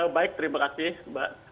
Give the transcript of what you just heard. baik terima kasih mbak